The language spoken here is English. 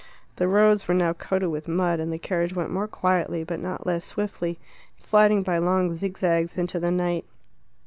The roads were now coated with mud, and the carriage went more quietly but not less swiftly, sliding by long zigzags into the night.